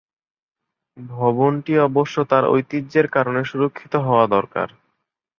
ভবনটি অবশ্য তার ঐতিহ্যের কারণে সুরক্ষিত হওয়া দরকার।